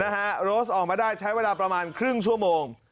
โรสออกมาได้ใช้เวลาประมาณครึ่งชั่วโมง